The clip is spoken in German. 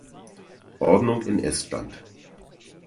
Ordnung in Estland.